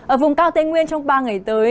ở vùng cao tây nguyên trong ba ngày tới